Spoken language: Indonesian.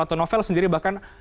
atau novel sendiri bahkan